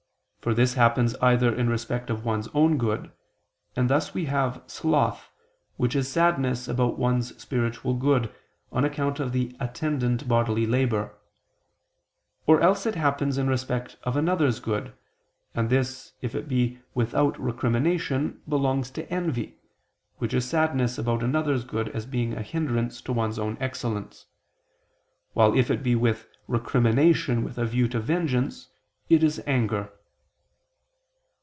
For this happens either in respect of one's own good, and thus we have sloth, which is sadness about one's spiritual good, on account of the attendant bodily labor: or else it happens in respect of another's good, and this, if it be without recrimination, belongs to envy, which is sadness about another's good as being a hindrance to one's own excellence, while if it be with recrimination with a view to vengeance, it is _anger.